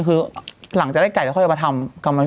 คือหลังจากได้กลัวไปทำ